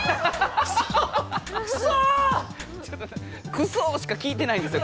「クソ」しか聞いてないんですよ